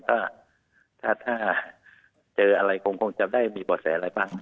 ถ้าเจออะไรคงจะได้มีปลอดศัยอะไรบ้าง